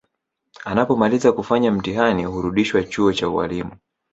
Anapomaliza kufanya mtihani hurudishwa chuo cha ualimu